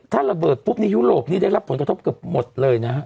ถ้าระเบิดปุ๊บในยุโรปนี้ได้รับผลกระทบเกือบหมดเลยนะฮะ